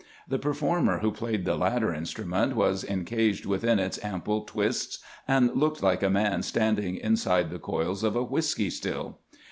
The performer who played the latter instrument was en caged within its ample twists, and looked like a man standing inside the coils of a whisky still.